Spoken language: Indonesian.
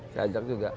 saya ajak juga